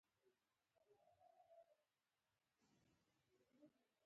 د هرات په اوبې کې د سمنټو مواد شته.